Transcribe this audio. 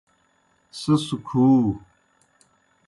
سیْس کُھو۔